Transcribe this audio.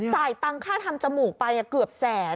จ่ายตังค่าทำจมูกไปกับเกือบแสน